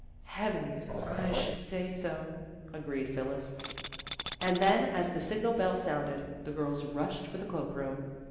"Heavens, I should say so," agreed Phyl A PARTIAL ECLIPSE 267 lis. And then as the signal bell sounded, the girls rushed for the cloak room.